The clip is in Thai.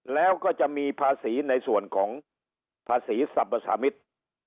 แล้วก็จะมีภาษีในส่วนของภาษีสรรพสามิตร